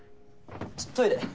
ちょっとトイレ。